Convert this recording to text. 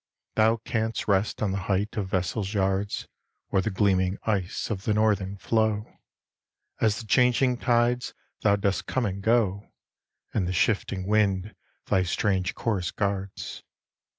Thou canst rest on the height of vessels' yards, Or the gleaming ice of the northern floe. As the changing tides thou dost come and go And the shifting wind thy strange course guards.